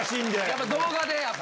やっぱ動画で。